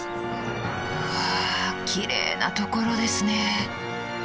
うわきれいなところですね。